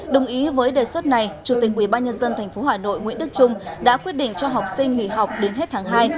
đồng ý với đề xuất này chủ tịch ubnd tp hà nội nguyễn đức trung đã quyết định cho học sinh nghỉ học đến hết tháng hai